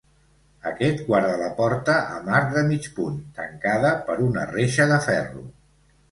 Aquest guarda la porta amb arc de mig punt, tancada per una reixa de ferro.